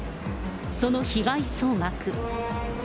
その被害総額。